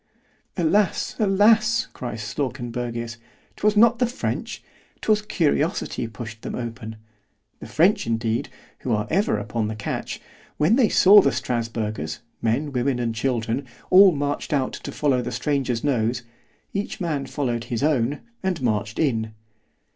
Alas! alas! cries Slawkenbergius, 'twas not the French,——'twas CURIOSITY pushed them open——The French indeed, who are ever upon the catch, when they saw the Strasburgers, men, women and children, all marched out to follow the stranger's nose——each man followed his own, and marched in.